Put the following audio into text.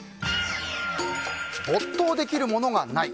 没頭できるものがない。